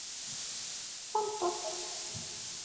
D tameṭṭut-is?